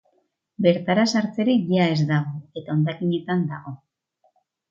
Bertara sartzerik ia ez dago eta hondakinetan dago.